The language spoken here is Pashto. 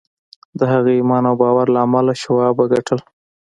د هغه ایمان او باور له امله شواب وګټل